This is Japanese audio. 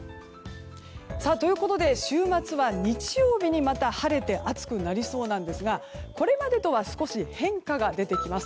ということで週末は日曜日にまた晴れて暑くなりそうなんですがこれまでとは少し変化が出てきます。